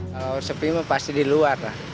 kalau sepi pasti di luar lah